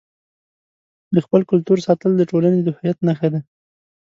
د خپل کلتور ساتل د ټولنې د هویت نښه ده.